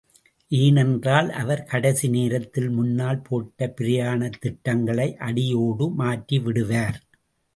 ஏனென்றால் அவர் கடைசி நேரத்தில் முன்னால் போட்ட பிராயானத் திட்டங்களை அடியோடு மாற்றி விடுவார்.